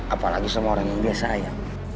apalagi sama orang yang biasa ya